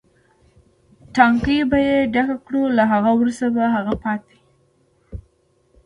ټانکۍ به یې ډکې کړو، له هغه وروسته به هغه پاتې.